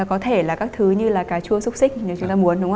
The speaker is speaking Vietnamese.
và có thể là các thứ như là cà chua xúc xích nếu chúng ta muốn đúng không ạ